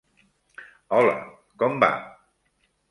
Hola, com va?